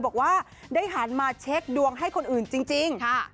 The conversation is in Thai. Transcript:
บอกว่าได้หันมาเช็คดวงให้คนอื่นจริง